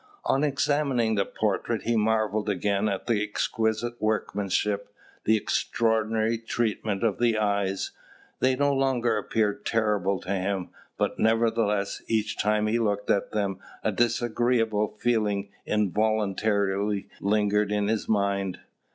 On examining the portrait, he marvelled again at the exquisite workmanship, the extraordinary treatment of the eyes. They no longer appeared terrible to him; but, nevertheless, each time he looked at them a disagreeable feeling involuntarily lingered in his mind.